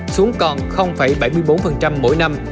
xuống còn bảy mươi bốn phần trăm mỗi năm